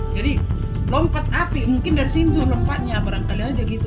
lompat api mungkin dari situ lompatnya barangkali aja gitu